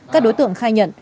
các đối tượng khai nhận